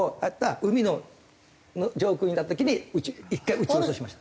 海の上空にいた時に１回撃ち落としました。